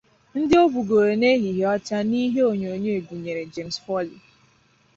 Ndị o gbugoro n’ehihie ọcha n’ihe onyonyo gụnyere James Foley